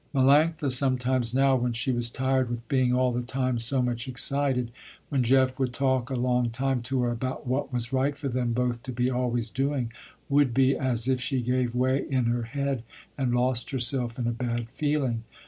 Melanctha sometimes now, when she was tired with being all the time so much excited, when Jeff would talk a long time to her about what was right for them both to be always doing, would be, as if she gave way in her head, and lost herself in a bad feeling.